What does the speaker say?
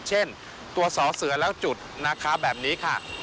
เช่นตัวสอเสือแล้วจุดนะคะแบบนี้ค่ะ